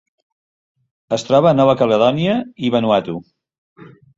Es troba a Nova Caledònia i Vanuatu.